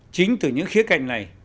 chính từ những khía cạnh này